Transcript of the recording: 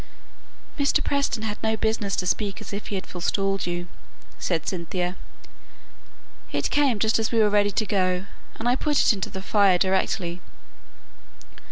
"Mr. Preston had no business to speak as if he had forestalled you," said Cynthia. "It came just as we were ready to go, and I put it into the fire directly."